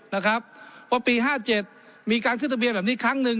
นะครับว่าปี๕๗มีการขึ้นทะเบียนแบบนี้ครั้งหนึ่ง